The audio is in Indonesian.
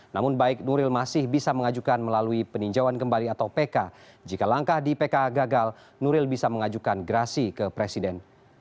namun baik nuril masih bisa mengajukan melalui peninjauan kembali atau pk jika langkah di pk gagal nuril bisa mengajukan gerasi ke presiden